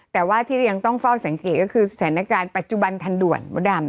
แต่ว่าที่เรายังต้องเฝ้าสังเกตก็คือสถานการณ์ปัจจุบันทันด่วนมดดำ